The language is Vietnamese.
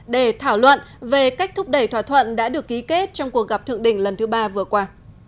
để thảo luận về cách thúc đẩy thỏa thuận đã được ký kết trong cuộc gặp thượng đỉnh lần thứ ba vừa qua